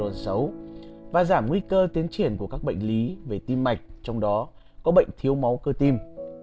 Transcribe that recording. dầu ô lưu chứa các loại chất béo bão xấu và giảm nguy cơ tiến triển của các bệnh lý về tim mạch trong đó có bệnh thiếu máu cơ tim